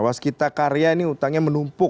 waskita karya ini utangnya menumpuk